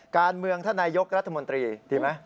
การเมืองท่านนายกรัฐมนตรีดีไหม